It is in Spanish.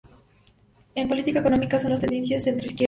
En política económica son de tendencia centro-izquierdista.